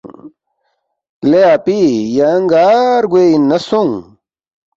”لے اپی یانگ گار گوے اِن نہ سونگ